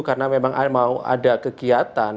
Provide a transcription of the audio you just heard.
karena memang ada kegiatan